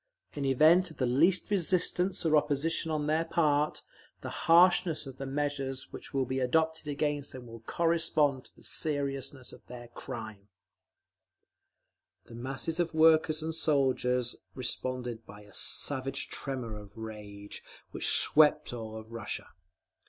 In event of the least resistance or opposition on their part, the harshness of the measures which will be adopted against them will correspond to the seriousness of their crime…. The masses of workers and soldiers responded by a savage tremor of rage, which swept all Russia.